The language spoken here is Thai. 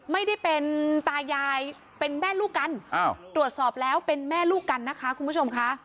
ไม่ได้เป็นตายายเป็นแม่ลูกกันตรวจสอบแล้วเป็นแม่ลูกกันนะคะคุณผู้ชมค่ะ